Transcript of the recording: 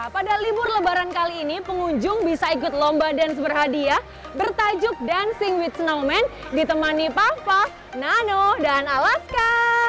pada libur lebaran kali ini pengunjung bisa ikut lomba dance berhadiah bertajuk dancing with nomen ditemani papa nano dan alaska